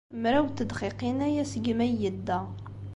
Mraw n tedqiqin aya segmi ay yedda.